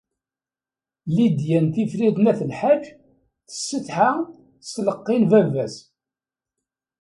Lidya n Tifrit n At Lḥaǧ tessetḥa s tleqqi n baba-s.